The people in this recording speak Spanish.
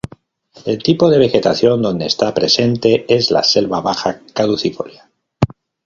El tipo de vegetación donde está presente es la selva baja caducifolia.